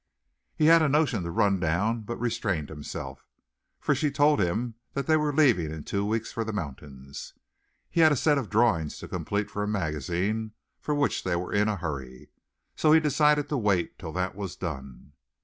He had a notion to run down but restrained himself, for she told him that they were leaving in two weeks for the mountains. He had a set of drawings to complete for a magazine for which they were in a hurry. So he decided to wait till that was done.